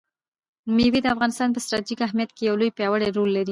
مېوې د افغانستان په ستراتیژیک اهمیت کې یو پیاوړی رول لري.